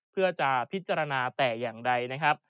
เพื่อจะพิจารณแต่อย่างใด